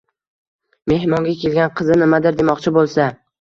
Mehmonga kelgan qizi nimadir demoqchi boʻlsa